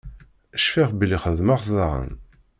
Cfiɣ belli xedmeɣ-t daɣen.